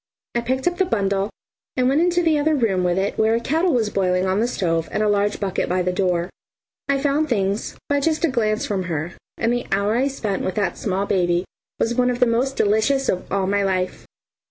I picked up the bundle and went into the other room with it where a kettle was boiling on the stove and a large bucket by the door. I found things by just a glance from her, and the hour I spent with that small baby was one of the most delicious of all my life.